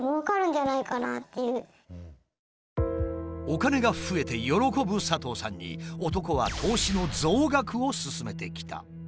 お金が増えて喜ぶ佐藤さんに男は投資の増額を勧めてきた。